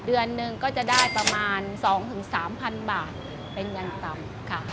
เดือนหนึ่งก็จะได้ประมาณ๒๓๐๐๐บาทเป็นเงินต่ำค่ะ